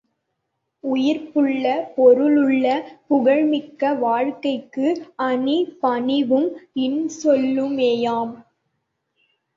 உயிர்ப்புள்ள, பொருளுள்ள, புகழ்மிக்க வாழ்க்கைக்கு அணி, பணிவும் இன்சொல்லுமேயாம்.